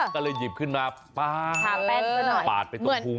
ก็เลยหยิบขึ้นมาปาดไปตรงภูมิ